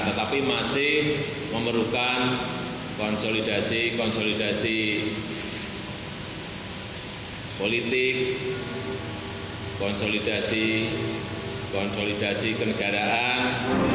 tetapi masih memerlukan konsolidasi konsolidasi politik konsolidasi kenegaraan